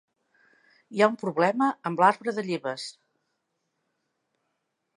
Hi ha un problema amb l'arbre de lleves.